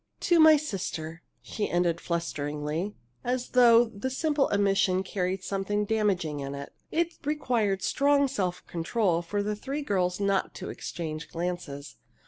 " to my sister!" she ended flutteringly, as though the simple admission carried something damaging with it. It required strong self control for the three girls not to exchange glances.